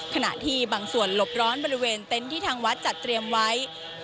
ขณะที่บางส่วนหลบร้อนบริเวณเต็นต์ที่ทางวัดจัดเตรียมไว้